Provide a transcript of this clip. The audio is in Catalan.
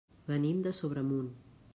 Venim de Sobremunt.